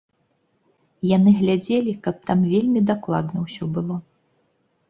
Яны глядзелі, каб там вельмі дакладна ўсё было.